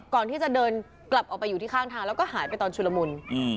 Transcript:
ก่อนที่จะเดินกลับออกไปอยู่ที่ข้างทางแล้วก็หายไปตอนชุลมุน